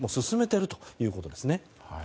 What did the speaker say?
進めているということですね。